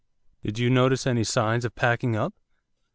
'Did you notice any signs of packing up?